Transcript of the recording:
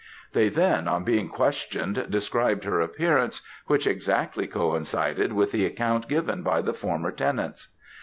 "They then, on being questioned, described her appearance, which exactly coincided with the account given by the former tenants.